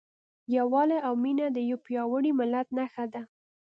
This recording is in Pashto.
یووالی او مینه د یو پیاوړي ملت نښه ده.